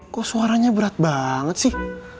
kok suaranya berat banget sih